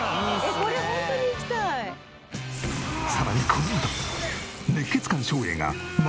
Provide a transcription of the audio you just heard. さらにこのあと。きた！